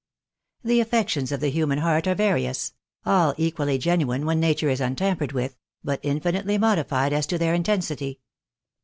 The affections of the human heart are various ; all equally genuine ■when nature is untampered with, but infinitely modilied as to their intensity.